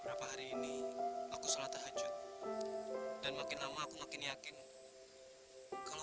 nanti pada saat aku ingin menangkapmu kau akan tahu aku